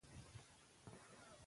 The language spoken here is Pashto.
تعلیم د کورنۍ اقتصاد پیاوړی کوي.